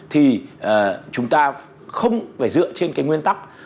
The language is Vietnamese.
thì chúng ta không phải dựa trên cái nguyên tắc